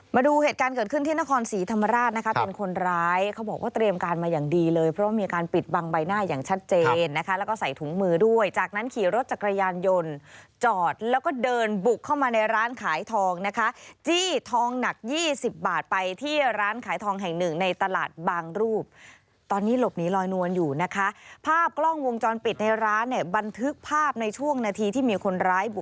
มาดูเหตุการณ์เกิดขึ้นที่นครศรีธรรมราชนะคะเป็นคนร้ายเขาบอกว่าเตรียมการมาอย่างดีเลยเพราะว่ามีการปิดบังใบหน้าอย่างชัดเจนนะคะแล้วก็ใส่ถุงมือด้วยจากนั้นขี่รถจักรยานยนต์จอดแล้วก็เดินบุกเข้ามาในร้านขายทองนะคะจี้ทองหนักยี่สิบบาทไปที่ร้านขายทองแห่งหนึ่งในตลาดบางรูปตอนนี้หลบหนีลอยนวลอยู่นะคะภาพกล้องวงจรปิดในร้านเนี่ยบันทึกภาพในช่วงนาทีที่มีคนร้ายบ